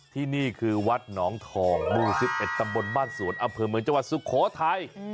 ที่นี่คือวัดหนองทองหมู่๑๑ตำบลบ้านสวนอำเภอเมืองจังหวัดสุโขทัย